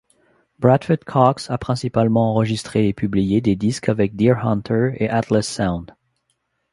Bradford Cox a principalement enregistré et publié des disques avec Deerhunter et Atlas Sound.